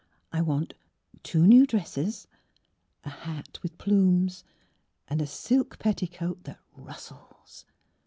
I want two new dresses; a hat with plumes, and a silk petticoat that rustles.